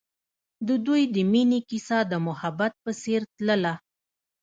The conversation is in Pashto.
د دوی د مینې کیسه د محبت په څېر تلله.